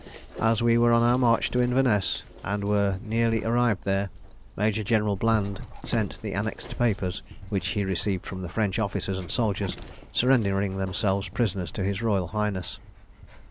As we were on our march to Inverness, and were nearly arrived there, Major General Bland sent the annexed papers, which he received from the French officers and soldiers, surrendering themselves prisoners to his Royal Highness.